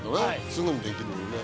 すぐにできるのね。